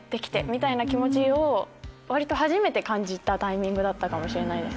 みたいな気持ちを割と初めて感じたタイミングだったかもしれない。